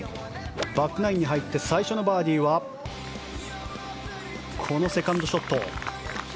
バックナインに入って最初のバーディーはセカンドショット。